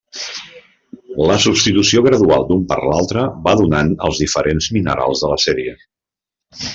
La substitució gradual d'un per altre va donant els diferents minerals de la sèrie.